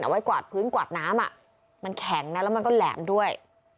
ไว้กวาดพื้นกวาดน้ำมันแข็งนะแล้วมันก็แหลมด้วย